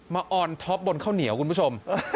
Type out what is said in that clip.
ออนท็อปบนข้าวเหนียวคุณผู้ชม